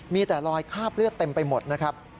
มีแต่รอยคราบเลือดเต็มไปหมดนะครับ